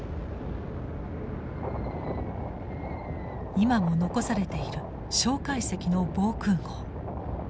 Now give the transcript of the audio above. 今も残されている介石の防空壕。